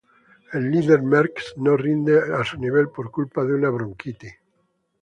El líder Merckx no rinde a su nivel por culpa de una bronquitis.